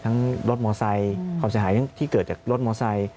ทั้งรถมอเซ้นความเสียหายที่เกิดจากรถมอเซ้น